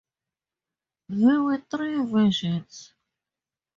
There were three versions.